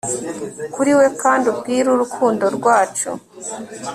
Kuri we kandi ubwire urukundo rwacu